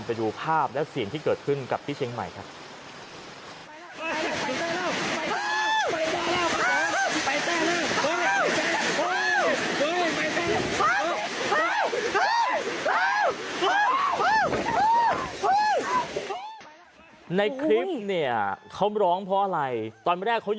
ไปดูภาพและสิ่งที่เกิดขึ้นกับที่เชียงใหม่ครับ